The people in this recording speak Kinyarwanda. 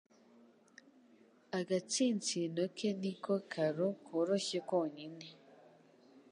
Agatsinsino ke niko karo koroshye konyine